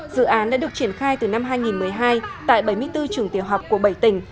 dự án đã được triển khai từ năm hai nghìn một mươi hai tại bảy mươi bốn trường tiểu học của bảy tỉnh